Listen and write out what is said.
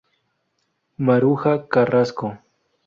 Maruja Carrasco.